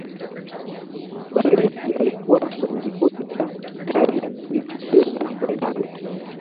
baressi alikuwa kwenye kikosi cha italia kilichocheza fainali